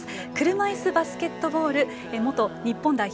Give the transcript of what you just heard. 車いすバスケットボール元日本代表